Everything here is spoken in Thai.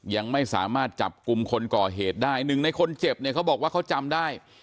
ยังไม่สามารถจับกลุ่มคนก่อเหตุได้หนึ่งในคนเจ็บเนี่ยเขาบอกว่าเขาจำได้